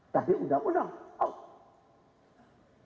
tapi undang undang out